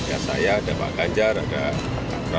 ya saya ada pak ganjar ada prabowo sudah